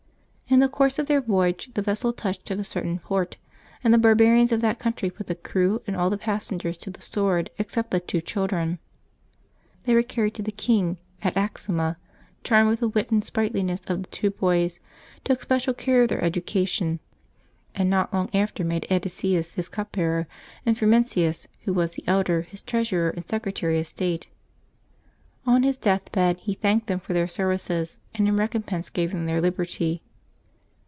In the course of their voyage the vessel touched at a certain port, and the barbarians of that coTintry put the crew and all the passengers to the sword, except the two children. They were carried to the king, at Axuma, who, charmed with the wit and sprightliness of the two boys, took special care of their education; and, not long after made Edesius his cup bearer, and Frumen tius, who was the elder, his treasurer and secretary of state; on his death bed he thanked them for their serv ices, and in recompense gave them their liberty.